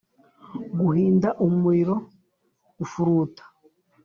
guhinda umuriro, gupfuruta,